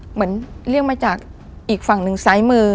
เหมือนเรียกมาจากอีกฝั่งหนึ่งซ้ายมือ